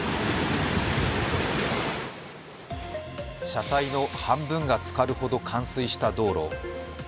車体の半分がつかるほど冠水した道路。